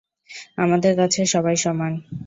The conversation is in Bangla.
আমাদের কাছে সবাই সমান।